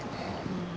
うん。